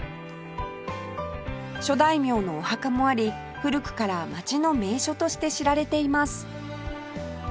諸大名のお墓もあり古くから街の名所として知られています